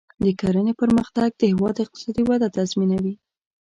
د کرنې پرمختګ د هیواد اقتصادي وده تضمینوي.